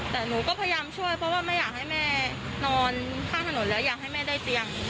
แต่หนูก็พยายามช่วยเพราะว่าไม่อยากให้แม่นอนข้างถนนแล้วอยากให้แม่ได้เตียง